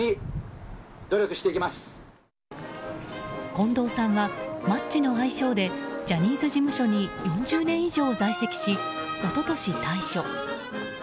近藤さんは、マッチの愛称でジャニーズ事務所に４０年在籍し一昨年、退所。